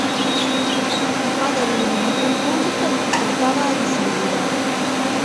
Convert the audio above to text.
A falla de iluminación pública dificultaba a visibilidade.